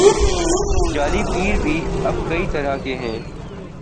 جعلی پیر بھی اب کئی طرح کے ہیں۔